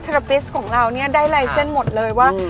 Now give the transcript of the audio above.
ราฟิสของเราเนี่ยได้ลายเส้นหมดเลยว่า